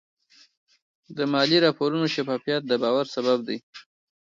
د مالي راپورونو شفافیت د باور سبب دی.